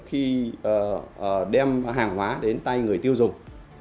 khi đem hàng hóa đến tay người tiêu dùng